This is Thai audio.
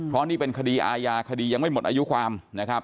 เพราะนี่เป็นคดีอาญาคดียังไม่หมดอายุความนะครับ